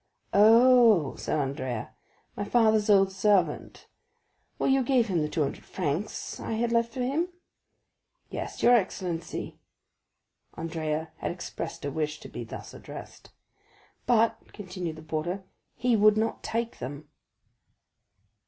"Oh," said Andrea, "my father's old servant. Well, you gave him the two hundred francs I had left for him?" "Yes, your excellency." Andrea had expressed a wish to be thus addressed. "But," continued the porter, "he would not take them."